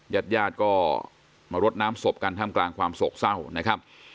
ญาติญาติก็มารดน้ำศพกันท่ามกลางความโศกเศร้านะครับ